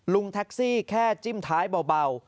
ลุงแท็กซี่แค่จิ้มท้ายเบา